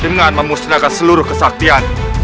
dengan memusnahkan seluruh kesaktian